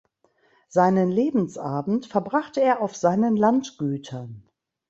Seinen Lebensabend verbrachte er auf seinen Landgütern.